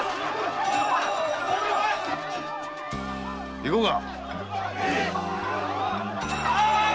行こうか。